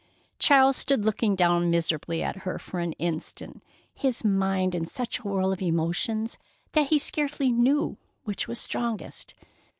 Charles stood looking down miserably at her for an instant, his mind in such a whirl of emotions that he scarcely knew which was strongest.